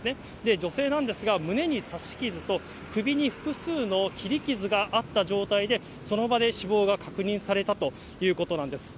女性なんですが、胸に刺し傷と、首に複数の切り傷があった状態で、その場で死亡が確認されたということなんです。